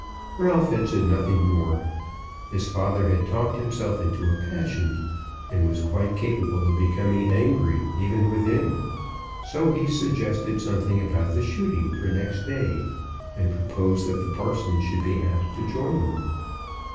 Ralph said nothing more. His father had talked himself into a passion, and was quite capable of becoming angry, even with him. So he suggested something about the shooting for next day, and proposed that the parson should be asked to join them.